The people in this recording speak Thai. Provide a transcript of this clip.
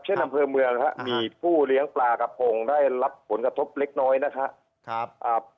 เช่นอำเภอเมืองนะครับมีผู้เลี้ยงปลากระพงได้รับผลกระทบเล็กน้อยนะครับ